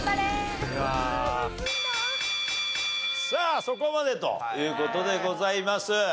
さあそこまでという事でございます。